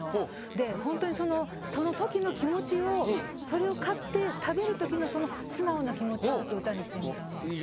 でほんとにそのときの気持ちをそれを買って食べるときのその素直な気持ちを歌にしてみたんですけど。